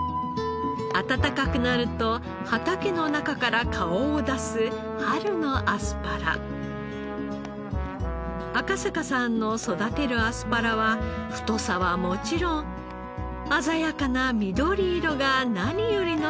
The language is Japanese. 暖かくなると畑の中から顔を出す赤坂さんの育てるアスパラは太さはもちろん鮮やかな緑色が何よりの特長。